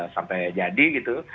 sampai jadi gitu